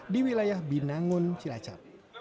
di wilayah binangun cilacap